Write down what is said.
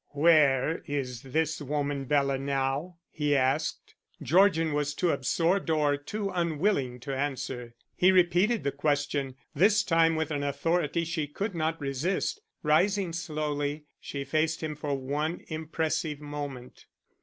"Where is this woman Bela now?" he asked. Georgian was too absorbed or too unwilling, to answer. He repeated the question, this time with an authority she could not resist. Rising slowly, she faced him for one impressive moment.